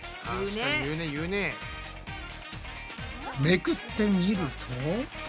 めくってみると。